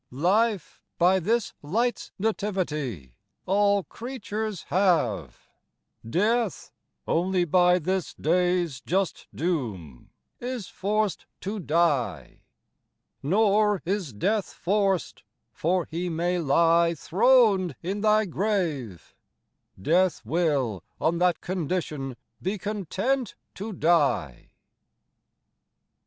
25 Life, by this light's Nativity All creatures have, Death onely by this Dayes just doome is forc't to Dye. Nor is Death forc't ; for may he ly Thron'd in Thy Grave, Death will on that condition be content to dye.